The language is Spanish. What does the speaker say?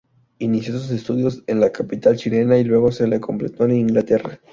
Inició sus estudios en la capital chilena y luego los completo en Inglaterra.